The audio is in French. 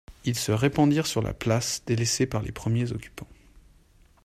Ils se répandirent sur la place, délaissée par les premiers occupants.